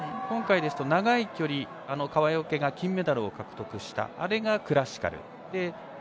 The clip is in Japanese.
今回ですと、長い距離川除が金メダルを獲得したあれがクラシカル。